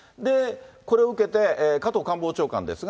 これを受けて、加藤官房長官ですが。